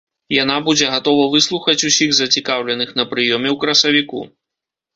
Яна будзе гатова выслухаць усіх зацікаўленых на прыёме ў красавіку.